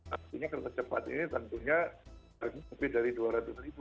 artinya kereta cepat ini tentunya lebih dari dua ratus ribu